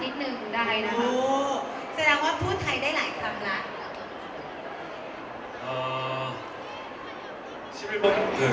คือคือเขาจะใช้คำนี้มาพังกันเยอะเหมือนกันนะคะ